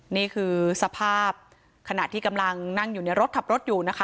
นี่คือสภาพขณะที่กำลังนั่งอยู่ในรถขับรถอยู่นะคะ